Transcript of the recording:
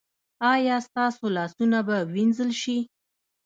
ایا ستاسو لاسونه به وینځل شي؟